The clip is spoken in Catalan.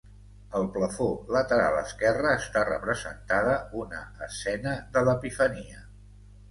Al plafó lateral esquerre està representada una escena de l'Epifania.